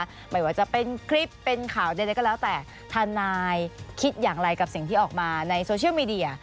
ไม่ว่าจะเป็นคลิปเป็นข่าวใดก็แล้วแต่ทนายคิดอย่างไรกับสิ่งที่ออกมาในโซเชียลมีเดีย